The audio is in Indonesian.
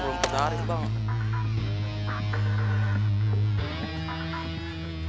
selamat pagi dari sampai kampung madang